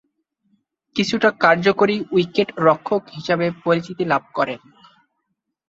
কিছুটা কার্যকরী উইকেট-রক্ষক হিসেবে পরিচিতি লাভ করেন।